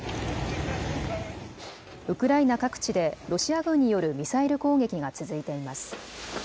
ウクライナ各地でロシア軍によるミサイル攻撃が続いています。